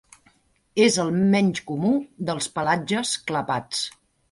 És el menys comú dels pelatges clapats.